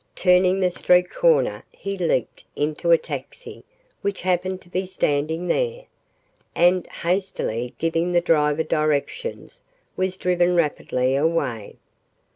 Turning the street corner he leaped into a taxi which happened to be standing there, and, hastily giving the driver directions, was driven rapidly away.